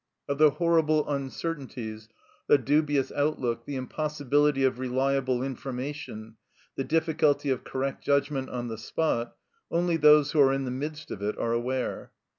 Of the horrible uncertainties, the dubious outlook, the impossibility of reliable infor mation, the difficulty of correct judgment on the spot, only those who are in the midst of it are aware.